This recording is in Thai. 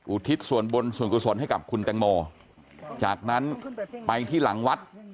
ทิศส่วนบุญส่วนกุศลให้กับคุณแตงโมจากนั้นไปที่หลังวัด